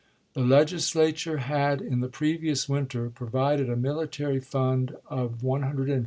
The Legislature had in the previous winter provided a military fund of $150, 000.